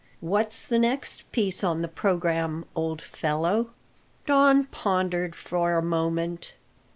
What's the next piece on the programme, old fellow?" Don pondered for a moment.